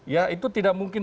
ya itu tidak mungkin